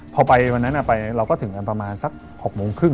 พอไปวันนั้นไปเราก็ถึงกันประมาณสัก๖โมงครึ่ง